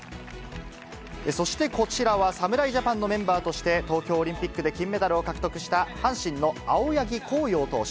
そしてこちらは、侍ジャパンのメンバーとして東京オリンピックで金メダルを獲得した、阪神の青柳晃洋投手。